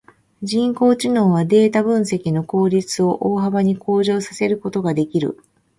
人工知能はデータ分析の効率を大幅に向上させることができる。